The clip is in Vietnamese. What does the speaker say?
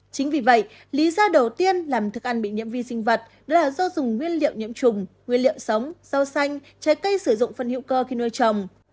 chính vì vậy lý do đầu tiên làm thức ăn bị nhiễm vi sinh vật là do dùng nguyên liệu nhiễm trùng nguyên liệu sống rau xanh trái cây sử dụng phân hữu cơ khi nuôi trồng